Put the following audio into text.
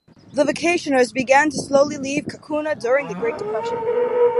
The vacationers began to slowly leave Cacouna during the Great Depression.